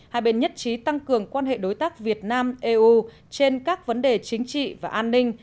hai bên nhất trí tăng cường quan hệ đối tác việt nam eu trên các vấn đề chính trị và an ninh